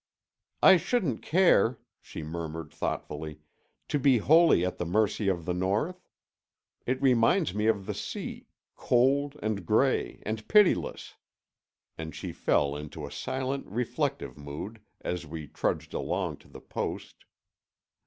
I shouldn't care," she murmured thoughtfully, "to be wholly at the mercy of the North. It reminds me of the sea, cold and gray and pitiless." And she fell into a silent reflective mood as we trudged along to the post.